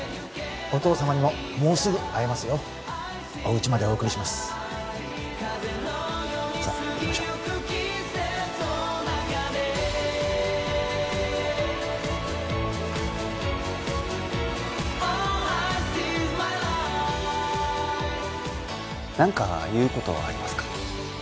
お父様にももうすぐ会えますよおうちまでお送りしますさあ行きましょう何か言うことはありますか？